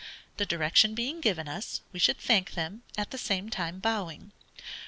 The direction being given us, we should thank them, at the same time bowing.